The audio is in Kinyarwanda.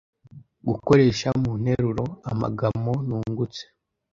Gukoresha mu nteruro amagamo nungutse